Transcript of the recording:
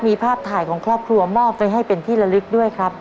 มีภาพถ่ายของครอบครัวมอบไปให้เป็นที่ละลึกด้วยครับ